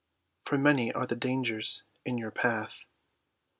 For many are the dangers in your path!